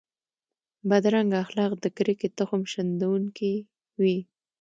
بدرنګه اخلاق د کرکې تخم شندونکي وي